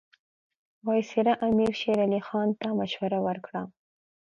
وایسرا امیر شېر علي خان ته مشوره ورکړه.